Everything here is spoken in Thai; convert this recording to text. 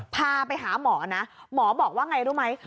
พาไปหาหมอนะหมอบอกว่าไงรู้ไหม